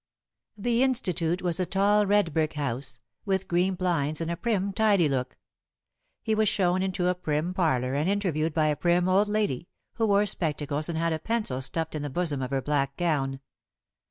The Institute was a tall red brick house, with green blinds and a prim, tidy look. He was shown into a prim parlor and interviewed by a prim old lady, who wore spectacles and had a pencil stuffed in the bosom of her black gown.